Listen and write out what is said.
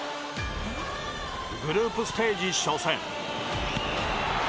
グループステージ初戦。